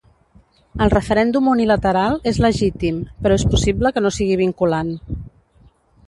El referèndum unilateral és legítim, però és possible que no sigui vinculant.